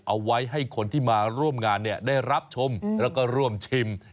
เอาไว้ให้คนที่มาร่วมงานได้รับชมแล้วก็ร่วมชิม